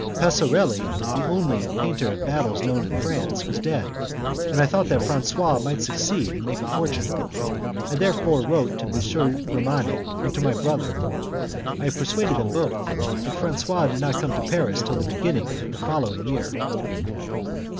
Passorelli, the only painter of battles known in France, was dead, and I thought that Francois might succeed and make a fortune. I therefore wrote to M. Grimani and to my brother; I persuaded them both, but Francois did not come to Paris till the beginning of the following year.